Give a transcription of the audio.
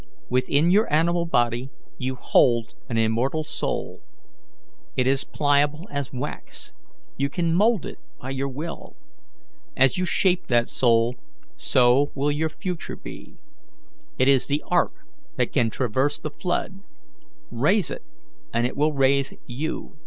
Within your animal body you hold an immortal soul. It is pliable as wax; you can mould it by your will. As you shape that soul, so will your future be. It is the ark that can traverse the flood. Raise it, and it will raise you.